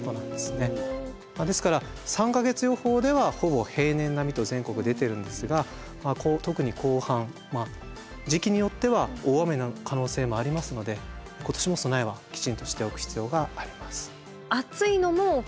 ですから３か月予報ではほぼ平年並みと全国出てるんですが特に後半時期によっては大雨の可能性もありますので今年も備えはきちんとしておく必要があります。